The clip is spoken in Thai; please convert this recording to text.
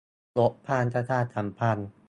- บทความประชาสัมพันธ์